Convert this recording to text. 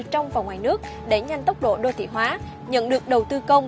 trong và ngoài nước để nhanh tốc độ đô thị hóa nhận được đầu tư công